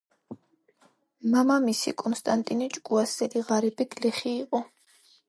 მამამისი, კონსტანტინე ჭკუასელი ღარიბი გლეხი იყო.